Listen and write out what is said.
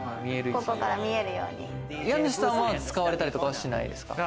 家主さんは使われたりとかはしないんですか？